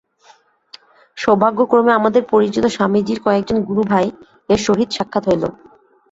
সৌভাগ্যক্রমে আমাদের পরিচিত স্বামীজীর কয়েকজন গুরুভাই-এর সহিত সাক্ষাৎ হইল।